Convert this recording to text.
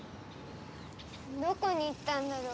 どこに行ったんだろ？